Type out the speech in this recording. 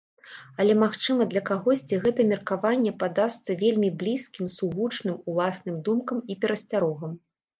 Але, магчыма, для кагосьці гэта меркаванне падасца вельмі блізкім, сугучным уласным думкам і перасцярогам.